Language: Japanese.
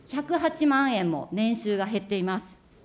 １０８万円も年収が減っています。